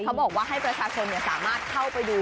เขาบอกว่าให้ประชาชนสามารถเข้าไปดู